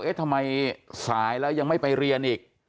ทำไมสายแล้วยังไม่ไปเรียนอีก